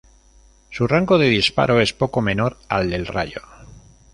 Su rango de disparo es poco menor al del Rayo.